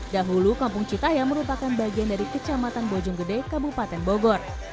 dahulu kampung citaya merupakan bagian dari kecamatan bojonggede kabupaten bogor